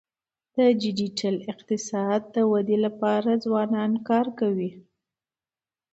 د ډیجیټل اقتصاد د ودي لپاره ځوانان کار کوي.